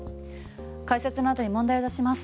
解説のあとに問題を出します。